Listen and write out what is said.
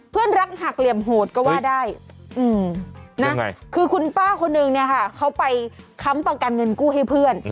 เพื่อนรักหักเหลี่ยมโหดก็ว่าได้นะคือคุณป้าคนนึงเนี่ยค่ะเขาไปค้ำประกันเงินกู้ให้เพื่อน